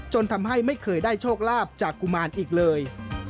ทำให้ไม่เคยได้โชคลาภจากกุมารอีกเลย